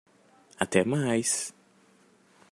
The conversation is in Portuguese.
Até mais!